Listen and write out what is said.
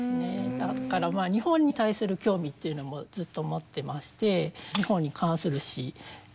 だから日本に対する興味っていうのもずっと持ってまして３つも。